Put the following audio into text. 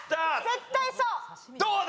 絶対そう。